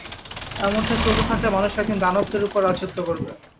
এমনটা চলতে থাকলে, মানুষ একদিন দানবদের উপর রাজত্ব করবে।